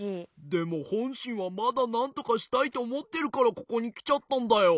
でもほんしんはまだなんとかしたいとおもってるからここにきちゃったんだよ。